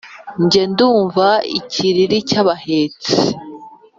njye ndumva ikiriri cy’abahetsi